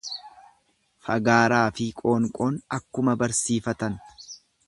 Fagaaraafi qoonqoon akkuma barsiifatan.